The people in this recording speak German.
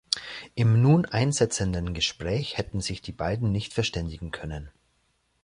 Im nun einsetzenden Gespräch hätten sich die beiden nicht verständigen können.